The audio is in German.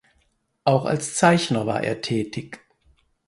Auch als Zeichner war er tätig.